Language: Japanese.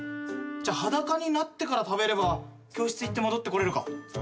じゃあ裸になってから食べれば教室行って戻ってこれるか。